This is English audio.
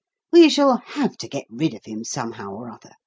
"We shall have to get rid of him, somehow or other.